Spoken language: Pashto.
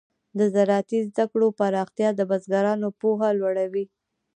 د زراعتي زده کړو پراختیا د بزګرانو پوهه لوړه وي.